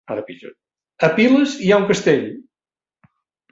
A Piles hi ha un castell?